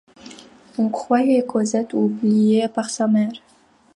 On croyait Cosette oubliée par sa mère.